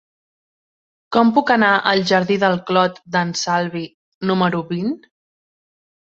Com puc anar al jardí del Clot d'en Salvi número vint?